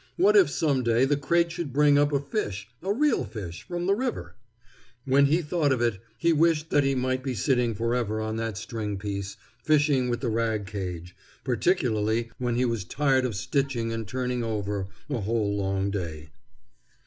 What if some day the crate should bring up a fish, a real fish, from the river? When he thought of it, he wished that he might be sitting forever on that string piece, fishing with the rag cage, particularly when he was tired of stitching and turning over, a whole long day.